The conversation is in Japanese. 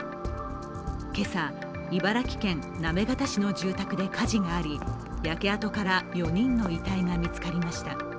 今朝、茨城県行方市の住宅で火事があり焼け跡から４人の遺体が見つかりました。